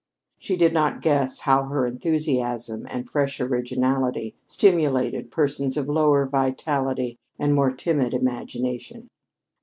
She did not guess how her enthusiasm and fresh originality stimulated persons of lower vitality and more timid imagination.